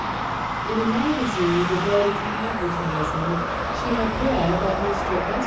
In a magazine devoted to advertising she had read that Mr. S.